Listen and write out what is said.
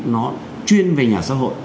nó chuyên về nhà xã hội